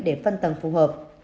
để phân tầng phù hợp